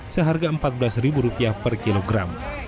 seharga rp empat belas per kilogram